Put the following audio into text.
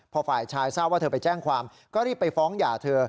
พอฝ่ายชายทราบว่าเธอไปแจ้งความก็รีบไปฟ้องหย่าเธอ